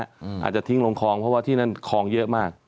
อาจจะทิ้งลงคลองเพราะว่าที่นั่นคลองเยอะมาก